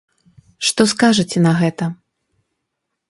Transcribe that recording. Што скажаце на гэта?